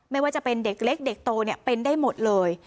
ไม่ว่าจะเป็นเด็กเล็กเด็กโตเป็นได้หมดเลย